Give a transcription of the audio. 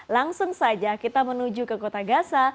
langsung saja kita menuju ke kota gaza